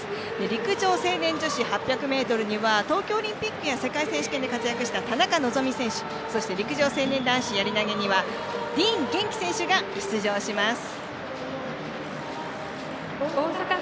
陸上成年女子８００ｍには東京オリンピックや世界選手権で活躍した田中希実選手そして、陸上成年男子やり投げにはディーン元気選手が出場します。